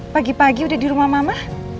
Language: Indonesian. pagi pagi udah di rumah mama